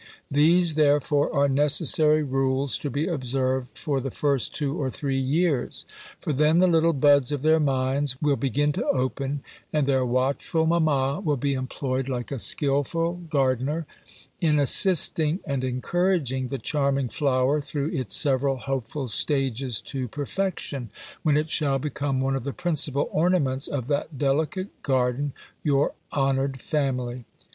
These, therefore, are necessary rules to be observed for the first two or three years: for then the little buds of their minds will begin to open, and their watchful mamma will be employed like a skilful gardener, in assisting and encouraging the charming flower through its several hopeful stages to perfection, when it shall become one of the principal ornaments of that delicate garden, your honoured family.